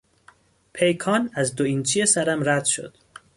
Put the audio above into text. پیکان از دو اینچی سرم رد شد.